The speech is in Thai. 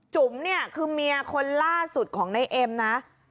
จุ๋มเนี่ยคือเมียคนล่าสุดของในเอ็มนะ